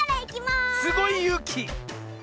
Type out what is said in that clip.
すごいゆうき！